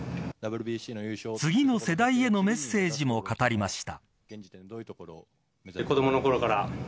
次の世代へのメッセージも語りました。